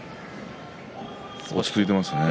落ち着いていますね。